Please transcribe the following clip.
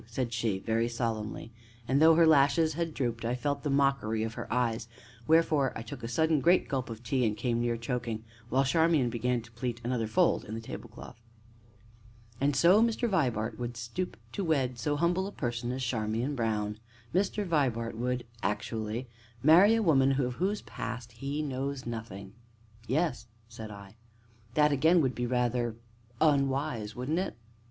said she, very solemnly, and, though her lashes had drooped, I felt the mockery of her eyes; wherefore I took a sudden great gulp of tea, and came near choking, while Charmian began to pleat another fold in the tablecloth. "And so Mr. Vibart would stoop to wed so humble a person as Charmian Brown? Mr. Peter Vibart would, actually, marry a woman of whose past he knows nothing?" "Yes," said I. "That, again, would be rather unwise, wouldn't it?"